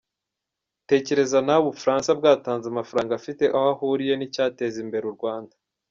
Tekereza nawe Ubufransa bwatanze amafaranga afite aho ahuriye n’icyateza imbere u Rwanda.